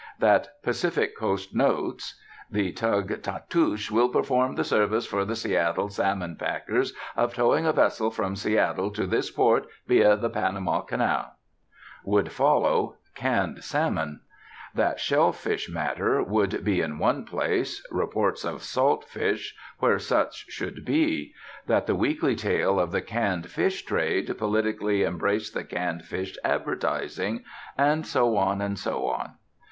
that "Pacific Coast Notes" "The tug Tatoosh will perform the service for the Seattle salmon packers of towing a vessel from Seattle to this port via the Panama Canal" would follow "Canned Salmon"; that shellfish matter would be in one place; reports of saltfish where such should be; that the weekly tale of the canned fish trade politically embraced the canned fish advertising; and so on and so on.